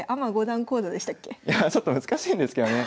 ちょっと難しいんですけどね。